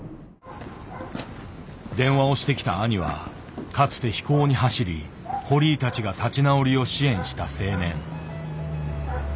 電話をしてきた兄はかつて非行に走り堀井たちが立ち直りを支援した青年。